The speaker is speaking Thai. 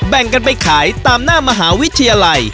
แบ่งกันไปขายตามหน้ามหาวิทยาลัย